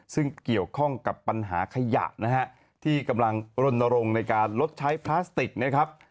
ซึ่งเกี่ยวข้องกับปัญหาขยะนะฮะที่กำลังรณรงค์ในการลดใช้พลาสติกนะครับ